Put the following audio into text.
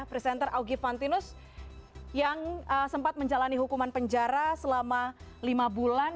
presenter augie vantinus yang sempat menjalani hukuman penjara selama lima bulan